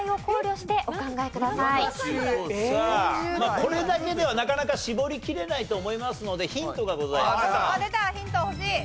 これだけではなかなか絞りきれないと思いますのでヒントがございます。